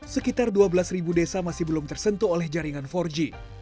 sekitar dua belas desa masih belum tersentuh oleh jaringan empat g